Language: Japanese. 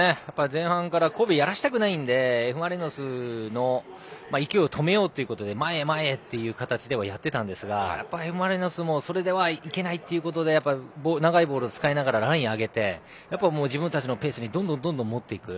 前半から神戸やらしたくないんでＦ・マリノスの勢いを止めようということで前へ、前へという形でやっていたんですがＦ・マリノスもそれではいけないということで長いボールを使いながらラインを上げながら自分たちのペースにどんどん持っていく。